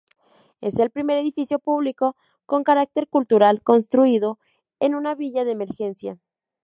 Es el primer edificio público con carácter cultural construido en un villa de emergencia.